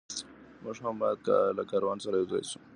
موږ هم باید له کاروان سره یو ځای سو.